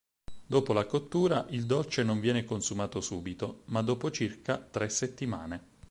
Dopo la cottura, il dolce non viene consumato subito, ma dopo circa tre settimane.